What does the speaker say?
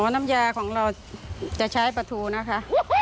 น้ำยาของเราจะใช้ปลาทูนะคะ